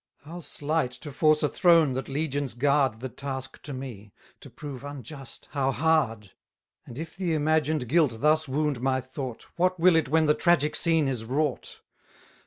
How slight to force a throne that legions guard The task to me! to prove unjust, how hard! And if the imagined guilt thus wound my thought, What will it when the tragic scene is wrought!